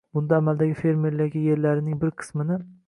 Bunda amaldagi fermerlarga yerlarining bir qismini